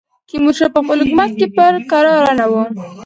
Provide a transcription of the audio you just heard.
تیمورشاه په خپل حکومت کې پر کراره نه وو.